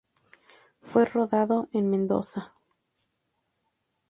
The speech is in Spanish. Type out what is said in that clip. Fue rodado en Mendoza.